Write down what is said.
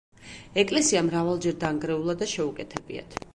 ეკლესია მრავალჯერ დანგრეულა და შეუკეთებიათ.